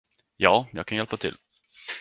Ja jag kan hjälpa till.